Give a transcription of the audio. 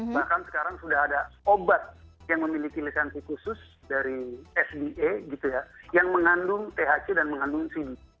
bahkan sekarang sudah ada obat yang memiliki lisensi khusus dari sba yang mengandung thc dan mengandung sidi